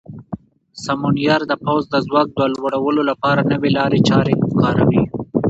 سمونیار د پوځ د ځواک د لوړولو لپاره نوې لارې چارې کاروي.